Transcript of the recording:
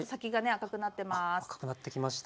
赤くなってきました。